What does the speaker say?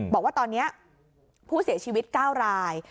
บอกว่าตอนนี้ผู้เสียชีวิต๙ราย